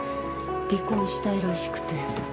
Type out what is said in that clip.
離婚したいらしくて。